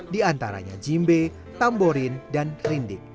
di antaranya jimbe tamborin dan rindik